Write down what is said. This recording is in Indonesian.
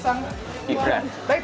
nah ny permet it